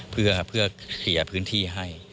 เพื่อเคลียร์พื้นที่ให้